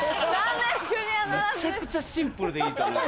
めちゃくちゃシンプルでいいと思う。